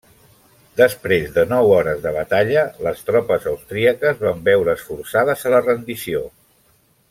Després de nou hores de batalla, les tropes austríaques van veure's forçades a la rendició.